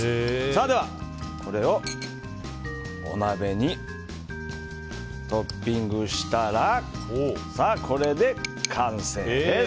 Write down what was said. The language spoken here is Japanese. では、これをお鍋にトッピングしたらこれで完成です。